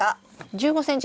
１５ｃｍ。